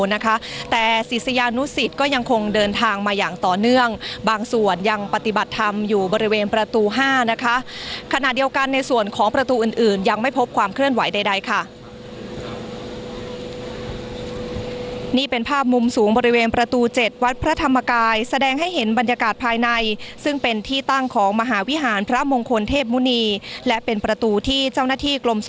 นี่เป็นภาพมุมสูงบริเวณประตู๗วันพระธรรมกายแสดงให้เห็นบรรยากาศภายในซึ่งเป็นที่ตั้งของมหาวิหารพระมงคลเทพมุนีและเป็นประตูที่เจ้าหน้าที่